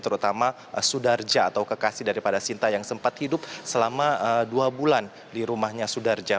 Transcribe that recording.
terutama sudarja atau kekasih daripada sinta yang sempat hidup selama dua bulan di rumahnya sudarja